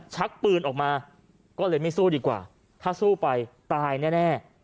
ชักปืนออกมาก็เลยไม่สู้ดีกว่าถ้าสู้ไปตายแน่